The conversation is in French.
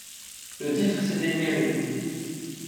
Le titre s'éteignit avec lui.